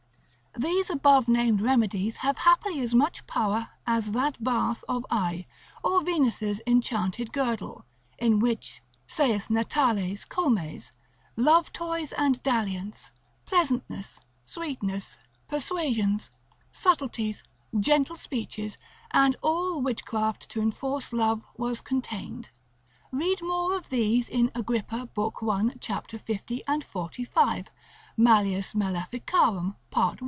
These above named remedies have happily as much power as that bath of Aix, or Venus' enchanted girdle, in which, saith Natales Comes, Love toys and dalliance, pleasantness, sweetness, persuasions, subtleties, gentle speeches, and all witchcraft to enforce love, was contained. Read more of these in Agrippa de occult. Philos. lib. 1. cap. 50. et 45. Malleus malefic. part.